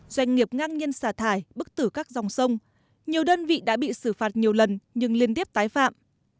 doanh nghiệp ngang nhiên xả thải bức tử các dòng sông nhiều đơn vị đã bị xử phạt nhiều lần nhưng liên tiếp tái phạm